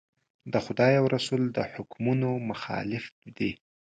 د خدای او رسول د حکمونو مخالف دي.